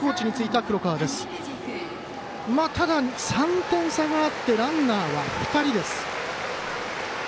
ただ、３点差があってランナーは２人です。